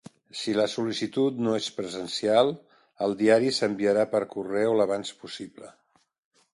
Si la sol·licitud no és presencial, el Diari s'enviarà per correu l'abans possible.